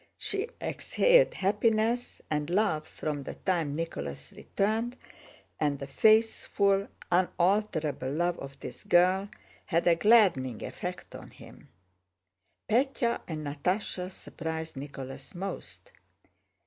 She exhaled happiness and love from the time Nicholas returned, and the faithful, unalterable love of this girl had a gladdening effect on him. Pétya and Natásha surprised Nicholas most.